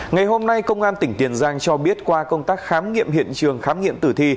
ngày hôm nay công an tỉnh tiền giang cho biết qua công tác khám nghiệm hiện trường khám nghiệm tử thi